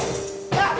あっ！